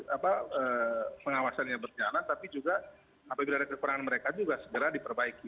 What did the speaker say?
apa pengawasannya berjalan tapi juga apabila ada kekurangan mereka juga segera diperbaiki